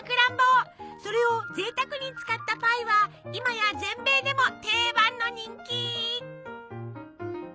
それをぜいたくに使ったパイは今や全米でも定番の人気！